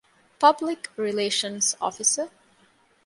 ޕަބްލިކްރިލޭޝަން އޮފިސަރ